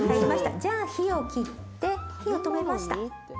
じゃあ、火を切って火を止めました。